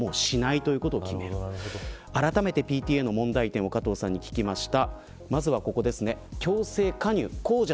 あらためてＰＴＡの問題点を加藤さんに聞きました。